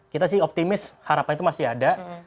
kita sih optimis harapan itu masih ada